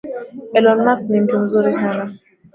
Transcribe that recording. Elon Musk ni mtu mzuri sana